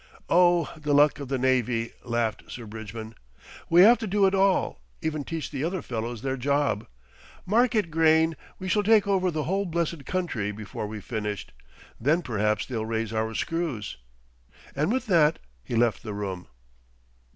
"Oh! the luck of the navy," laughed Sir Bridgman. "We have to do it all, even teach the other fellows their job. Mark it, Grayne, we shall take over the whole blessed country before we've finished, then perhaps they'll raise our screws," and with that he left the room.